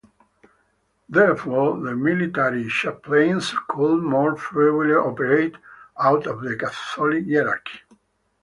Therefore, the military chaplains could more freely operate out of the Catholic hierarchy.